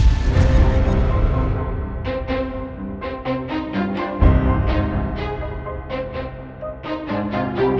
ayu dan bram